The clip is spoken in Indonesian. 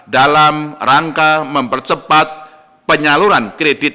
dalam rangka mempercepat penyaluran kredit dan kredit